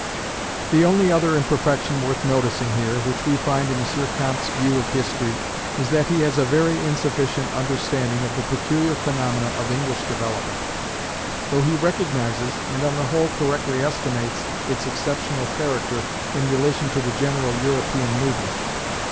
The only other imperfection worth noticing here, which we find in M. Comte's view of history, is that he has a very insufficient understanding of the peculiar phaenomena of English development; though he recognizes, and on the whole correctly estimates, its exceptional character in relation to the general European movement.